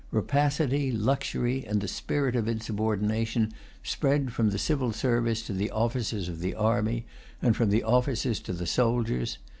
Rapacity, luxury, and the spirit of insubordination spread from the civil service to the officers of the army, and from the officers to the soldiers.